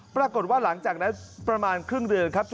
ปรากฏว่าหลังจากนั้นประมาณครึ่งเดือนครับ